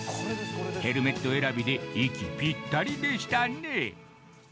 ヘルメット選びで息ぴったりでしたね